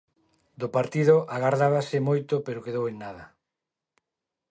Do partido agardábase moito pero quedou en nada.